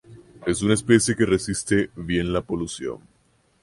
Es una especie que resiste bien la polución.